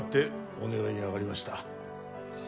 お願いにあがりました